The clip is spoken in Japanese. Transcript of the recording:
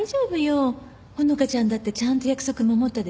穂花ちゃんだってちゃんと約束守ったでしょ？